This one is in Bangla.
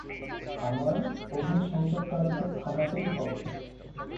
আমার অগ্নিসংযোগকারীকে থামাতেই হবে।